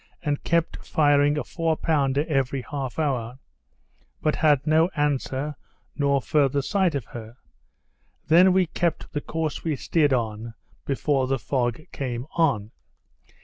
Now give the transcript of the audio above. and kept firing a four pounder every half hour, but had no answer, nor further sight of her; then we kept the course we steered on before the fog came on.